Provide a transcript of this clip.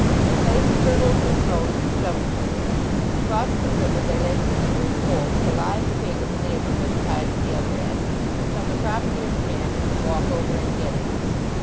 They placed hurdles in rows for jumping over; across the river they laid a slippery pole, with a live pig of the neighbourhood tied at the other end, to become the property of the man who could walk over and get it.